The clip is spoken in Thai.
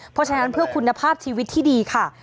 เพราะฉะนั้นเพื่อคุณภาพชีวิตที่ดีค่ะ